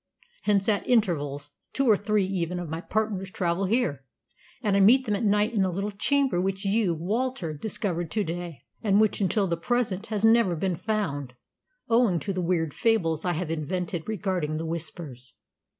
Hence, at intervals, two or even three of my partners travel here, and I meet them at night in the little chamber which you, Walter, discovered to day, and which until the present has never been found, owing to the weird fables I have invented regarding the Whispers.